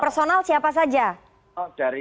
personal siapa saja